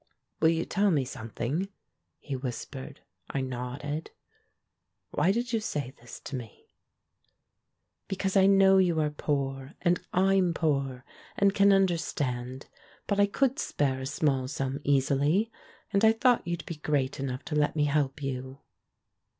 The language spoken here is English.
"Will you tell me something?" he whispered. I nodded. "Why did you say this to me?" "Because I know you are poor, and Fm poor and can understand. But I could spare a small sum easily, and I thought you'd be great enough to let me help you."